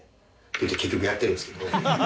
結局やってるんですけど。